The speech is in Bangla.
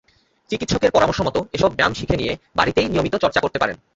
চিকিৎসকের পরামর্শমতো এসব ব্যায়াম শিখে নিয়ে বাড়িতেই নিয়মিত চর্চা করতে পারেন।